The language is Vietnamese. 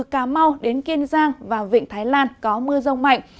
cà mau đến kiên giang và vịnh thái lan có mưa rông mạnh